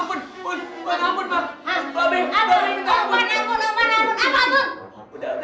mbak be minta maaf ya mbak be gak mau ulangi lagi dah ampun dah ampun dah